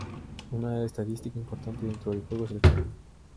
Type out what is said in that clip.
Una estadística importante dentro del juego es el karma.